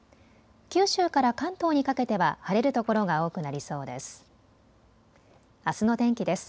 九州から関東にかけては晴れる所が多くなりそうです。